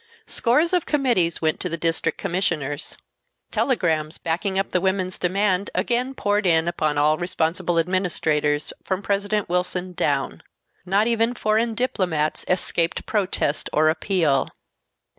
Scores of committees went to the District Commissioners. Telegrams backing up the women's demand again poured in upon all responsible administrators, from President Wilson down. Not even foreign diplomats escaped protest or appeal.